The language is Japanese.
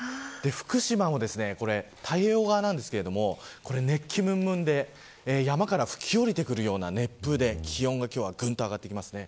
福島も太平洋側なんですけど熱気むんむんで山から吹き降りてくるような熱風で気温がぐんと上がってきます。